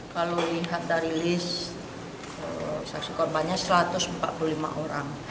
kalau lihat dari list saksi korbannya satu ratus empat puluh lima orang